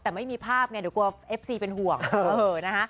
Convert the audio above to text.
แต่ไม่มีภาพเนี่ยเดี๋ยวกลัวเอฟซีเป็นห่วง